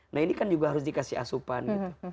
nah ini kan juga harus dikasih asupan gitu